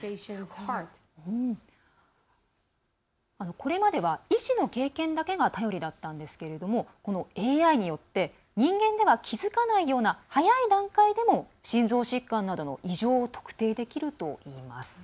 これまでは医師の経験だけが頼りだったんですけどこのＡＩによって人間では気付かないような早い段階でも心臓疾患などの異常を特定できるといいます。